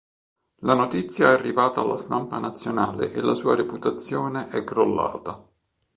La notizia è arrivata alla stampa nazionale e la sua reputazione è crollata.